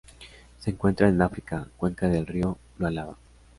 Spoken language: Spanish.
Se encuentran en África: cuenca del río Lualaba.